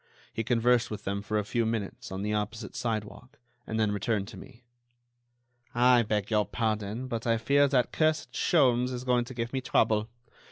He conversed with them for a few minutes on the opposite sidewalk, and then returned to me. "I beg your pardon, but I fear that cursed Sholmes is going to give me trouble.